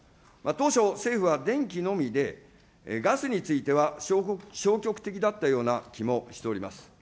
当初、政府は電気のみで、ガスについては消極的だったような気もしております。